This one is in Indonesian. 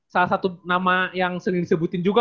salah satu nama yang sering disebutin juga